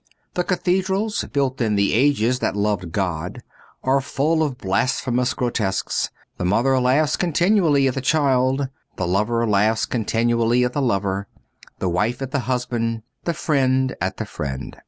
The ^ cathedrals, built in the ages that loved God, are full of blasphemous grotesques. The mother laughs continually at the child, the lover laughs continually at the lover, the wife at the husband, the friend at the friend.